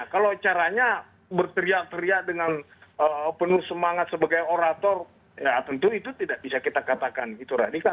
kalau caranya berteriak teriak dengan penuh semangat sebagai orator ya tentu itu tidak bisa kita katakan itu radikal